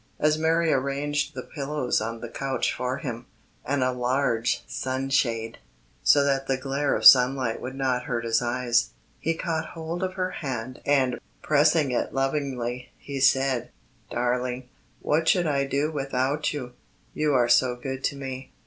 As Mary arranged the pillows on the couch for him, and a large sunshade, so that the glare of sunlight would not hurt his eyes, he caught hold of her hand and, pressing it lovingly, he said: "Darling, what should I do without you? You are so good to me."